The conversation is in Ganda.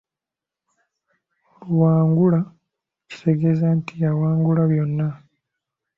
Luwangula kitegeeza nti awangula byonna.